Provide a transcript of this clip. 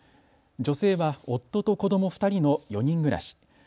女性は夫と子ども２人の４人暮らし。